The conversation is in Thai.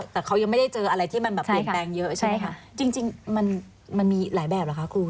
แต่เขายังไม่ได้เจออะไรที่มันแบบเปลี่ยนแปลงเยอะใช่ไหมคะจริงจริงมันมันมีหลายแบบเหรอคะครู